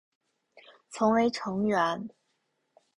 曾为成员。